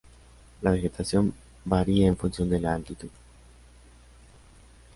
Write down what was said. La vegetación varía en función de la altitud.